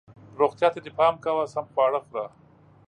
روغتیا ته دې پام کوه ، سم خواړه خوره